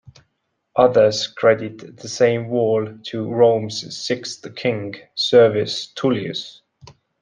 Others credit the same wall to Rome's sixth king, Servius Tullius.